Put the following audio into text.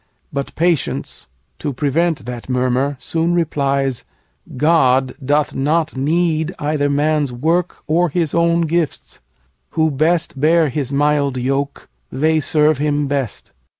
But patience, to prevent That murmur, soon replies, 'God doth not need Either man's work or his own gifts. Who best Bear his mild yoke, they serve him best.